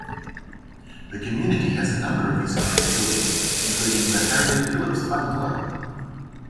The community has a number of historic buildings, including the Harriet Phillips Bungalow.